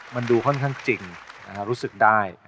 มันดูค่อนข้างจริงรู้สึกได้